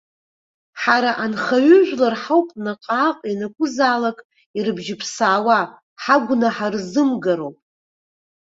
Ҳара анхаҩыжәлар ҳауп наҟ-ааҟ ианакәызаалак ирыбжьыԥсаауа, ҳагәнаҳа рзымгароуп!